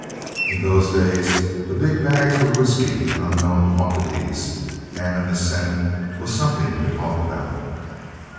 In those days, the big bags were risky and unknown quantities, and an ascent was something to talk about.